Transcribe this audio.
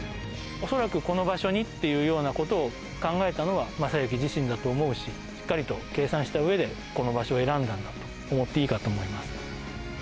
恐らく、この場所にっていうような事を考えたのは昌幸自身だと思うししっかりと計算したうえでこの場所を選んだんだと思っていいかと思います。